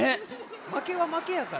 まけはまけやから。